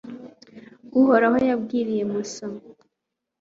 uhoraho yabwiriye musa